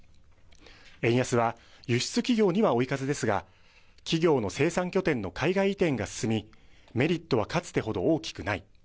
円安は輸出企業には追い風ですが企業の生産拠点の海外移転が進みメリットはかつてほど大きくない。